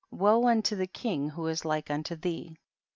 woe unto the king who is like unto ihce.